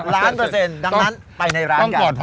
ล้านเปอร์เซ็นดังนั้นไปในร้านกัน